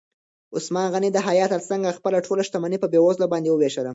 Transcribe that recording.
عثمان غني د حیا تر څنګ خپله ټوله شتمني په بېوزلو باندې ووېشله.